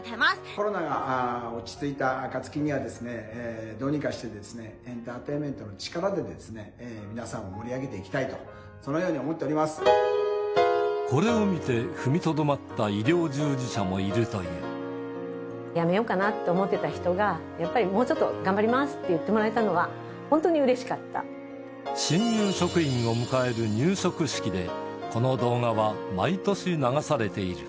コロナが落ち着いた暁には、どうにかしてエンターテイメントの力で、皆さんを盛り上げていきたいと、そのように思っておりまこれを見て踏みとどまった医辞めようかなって思ってた人が、やっぱりもうちょっと頑張りますって言ってもらえたのは、新入職員を迎える入職式で、この動画は毎年流されている。